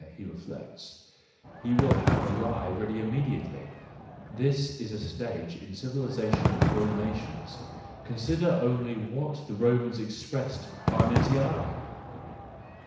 —he reflects: he will have a lie ready immediately. This is a stage in THE JOYFUL WISDOM, III 187 the civilisation of whole nations. Consider only what the Romans expressed by mentiri!